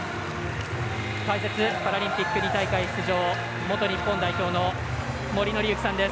解説、パラリンピック２大会出場元日本代表の森紀之さんです。